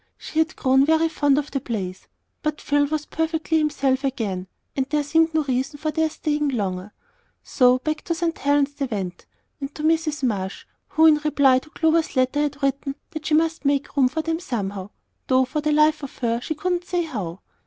She had grown very fond of the place; but Phil was perfectly himself again, and there seemed no reason for their staying longer. So back to St. Helen's they went and to Mrs. Marsh, who, in reply to Clover's letter, had written that she must make room for them somehow, though for the life of her she couldn't say how.